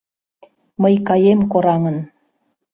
Мый каем кораҥын.